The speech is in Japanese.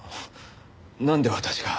なんで私が？